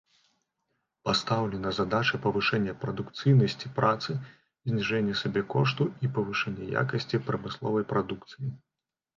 Пастаўлена задача павышэння прадукцыйнасці працы, зніжэння сабекошту і павышэння якасці прамысловай прадукцыі.